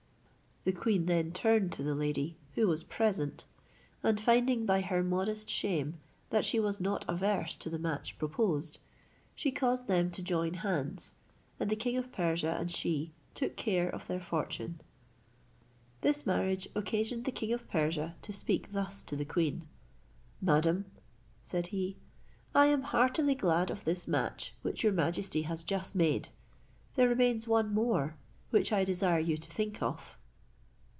The queen then turned to the lady who was present, and finding by her modest shame that she was not averse to the match proposed, she caused them to join hands, and the king of Persia and she took care of their fortune. This marriage occasioned the king of Persia to speak thus to the queen: "Madam," said he, "I am heartily glad of this match which your majesty has just made. There remains one more, which I desire you to think of."